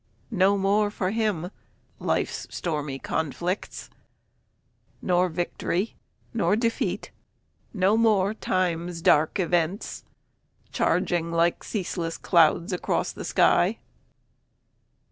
No more for him life's stormy conflicts, Nor victory, nor defeat no more time's dark events, Charging like ceaseless clouds across the sky.